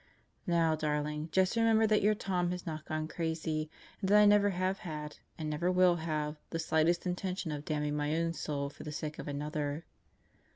... Now, Darling, just remember that your Tom has not gone crazy, and that I never have had, and never will have, the slightest intention of damning my own soul for the sake of another